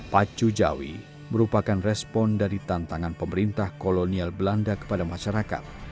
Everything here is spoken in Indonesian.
pacu jawi merupakan respon dari tantangan pemerintah kolonial belanda kepada masyarakat